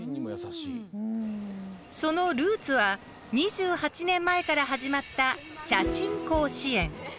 そのルーツは、２８年前から始まった写真甲子園。